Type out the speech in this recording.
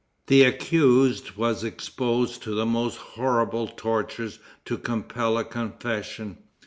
The accused was exposed to the most horrible tortures to compel a confession.